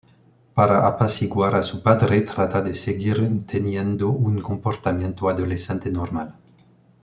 Para apaciguar a su padre, trata de seguir teniendo un comportamiento adolescente normal.